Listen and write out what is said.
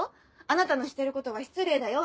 「あなたのしてることは失礼だよ